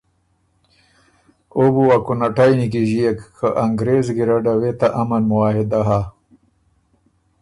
او بو ا کُنه ټئ نیکیݫيېک که انګرېز ګیرډه وې ته امن معاهدۀ هۀ